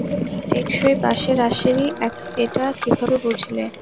টেকসই বাঁশের আঁশের-ই এটা, কীভাবে বুঝলে?